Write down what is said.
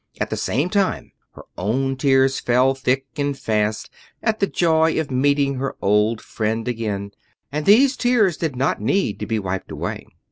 At the same time her own tears fell thick and fast at the joy of meeting her old friend again, and these tears did not need to be wiped away.